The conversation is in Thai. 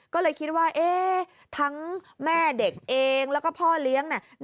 ก็เลยคิดว่าเอ๊ะทั้งแม่เด็กเองแล้วก็พ่อเลี้ยง